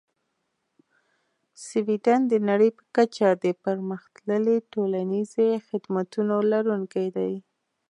سویدن د نړۍ په کچه د پرمختللې ټولنیزې خدمتونو لرونکی دی.